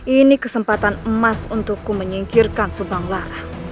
ini kesempatan emas untukku menyingkirkan subang lara